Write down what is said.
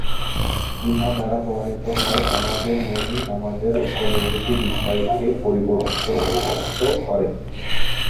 ইহা দ্বারা প্রমাণিত হয়, আমাদের মনই আমাদের অনুভূত বিষয়কে পরিবর্তিত করে।